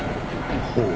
ほう。